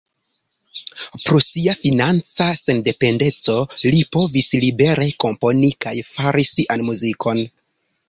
Pro sia financa sendependeco li povis libere komponi kaj fari sian muzikon.